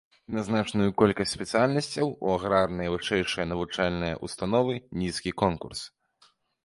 І на значную колькасць спецыяльнасцяў у аграрныя вышэйшыя навучальныя ўстановы нізкі конкурс.